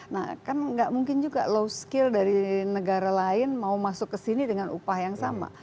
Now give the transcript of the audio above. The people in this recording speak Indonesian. nah kan nggak mungkin juga low skill dari negara lain mau masuk ke sini dengan upah yang sama